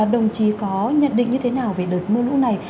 đồng chí có nhận định như thế nào về đợt mưa lũ này